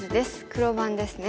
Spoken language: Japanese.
黒番ですね。